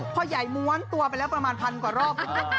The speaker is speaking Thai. พ่อใหญ่ม้วนตัวไปแล้วประมาณพันกว่ารอบ